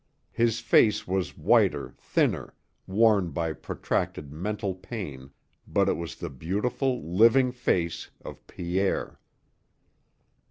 His face was whiter, thinner, worn by protracted mental pain, but it was the beautiful, living face of Pierre.